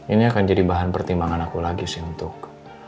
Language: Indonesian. ini akan jadi bahan pertimbangan aku lagi sih untuk